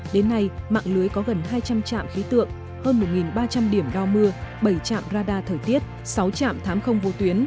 đến nay mạng lưới có gần hai trăm linh trạm khí tượng hơn một ba trăm linh điểm đo mưa bảy trạm radar thời tiết sáu trạm thám không vô tuyến